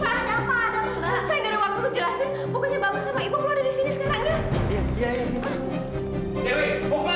bapak harus berada disini sekarang